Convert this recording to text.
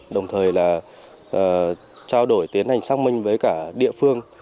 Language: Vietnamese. đồng thời là trao đổi tiến hành xác minh với cả địa phương